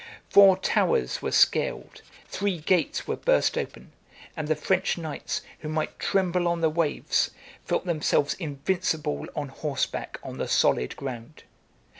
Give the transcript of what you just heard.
811 Four towers were scaled; three gates were burst open; and the French knights, who might tremble on the waves, felt themselves invincible on horseback on the solid ground.